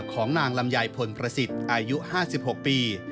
ของนางลำไยพลประสิทธิ์อายุ๕๖ปี